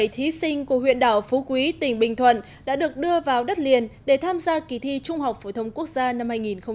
hai trăm một mươi bảy thí sinh của huyện đảo phú quý tỉnh bình thuận đã được đưa vào đất liền để tham gia kỳ thi trung học phổ thông quốc gia năm hai nghìn một mươi chín